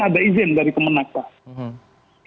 ada izin dari kemenang pak